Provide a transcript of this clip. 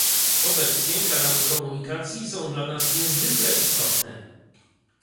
Obecnie kanały komunikacji są dla nas niezwykle istotne